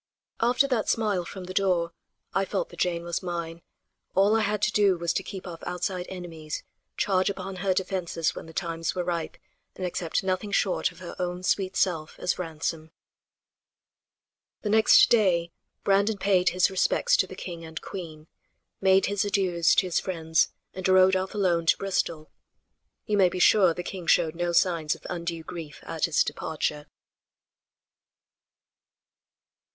After that smile from the door I felt that Jane was mine; all I had to do was to keep off outside enemies, charge upon her defenses when the times were ripe and accept nothing short of her own sweet self as ransom. The next day Brandon paid his respects to the king and queen, made his adieus to his friends and rode off alone to Bristol. You may be sure the king showed no signs of undue grief at his departure.